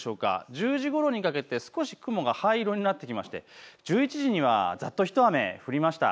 １０時ごろにかけて少し雲が灰色になってきまして１１時にはざっとひと雨降りました。